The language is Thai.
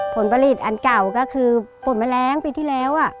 ผลผลิตอันเก่าก็คือปลดแมลงปีที่แล้ว